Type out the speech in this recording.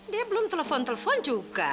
dia belum telepon telepon juga